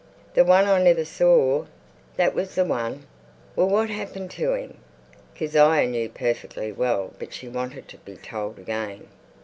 "The one I never saw?" "That was the one." "Well, what happened to him?" Kezia knew perfectly well, but she wanted to be told again.